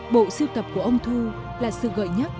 bộ siêu tập của ông thu là sự gợi nhắc